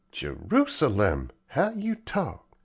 "Jerusalem! how you talk!